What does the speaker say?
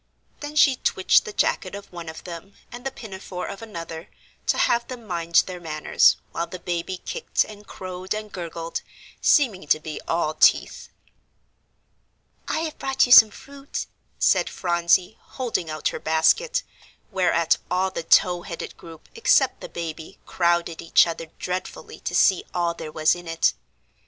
Then she twitched the jacket of one of them, and the pinafore of another, to have them mind their manners, while the baby kicked and crowed and gurgled, seeming to be all teeth. "I have brought you some fruit," said Phronsie, holding out her basket, whereat all the tow headed group except the baby crowded each other dreadfully to see all there was in it.